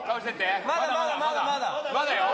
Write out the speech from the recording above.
まだまだまだまだ！まだよ！